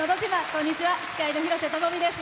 こんにちは、司会の廣瀬智美です。